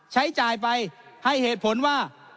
ใช้จ่ายไปให้เหตุผลว่า